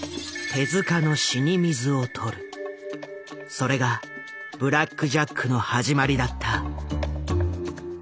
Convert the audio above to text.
それが「ブラック・ジャック」の始まりだった。